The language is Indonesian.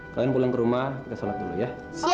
kalian pulang ke rumah kita sholat dulu ya